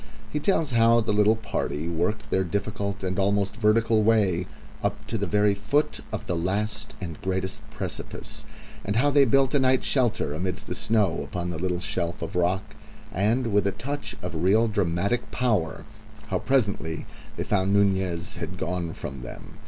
He tells how the little party worked their difficult and almost vertical way up to the very foot of the last and greatest precipice, and how they built a night shelter amidst the snow upon a little shelf of rock, and, with a touch of real dramatic power, how presently they found Nunez had gone from them.